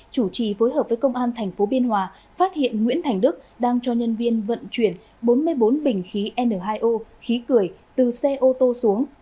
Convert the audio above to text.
chủ trì phối hợp với công an tp biên hòa phát hiện nguyễn thành đức đang cho nhân viên vận chuyển bốn mươi bốn bình khí n hai o khí cười từ xe ô tô xuống